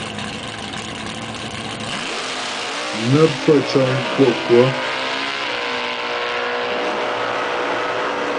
Nə́ pfaə̂ cəŋ kwə́kwə́.